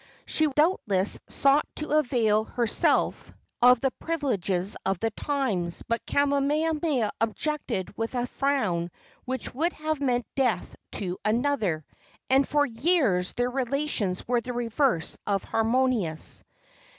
She doubtless sought to avail herself of the privileges of the times, but Kamehameha objected with a frown which would have meant death to another, and for years their relations were the reverse of harmonious.